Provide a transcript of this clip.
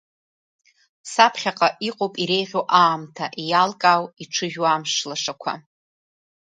Саԥхьаҟа иҟоуп иреиӷьу аамҭа, иалкаау, иҽыжәу амш лашақәа.